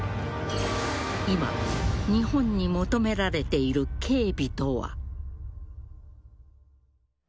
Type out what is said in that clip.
今、日本に求められている警備とは。